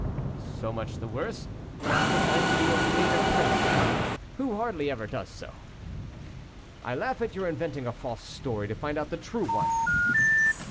"So much the worse; I should have liked to have made a prince laugh, who hardly ever does so." "I laugh at your inventing a false story to find out the true one."